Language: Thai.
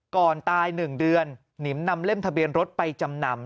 ก่อนตาย๑เดือนหนิมนำเล่มทะเบียนรถไปจำนำ